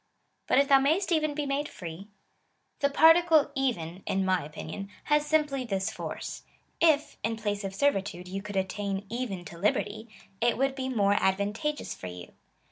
But if thou may est even he made free. The particle even (in my opinion) has simply this force, —" If, in place of ser vitude, you could attain even to liberty, it would be more ad vantageous for you."'